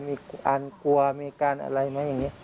มีความอันกลัวมีอาการอะไรไหมอย่างนี้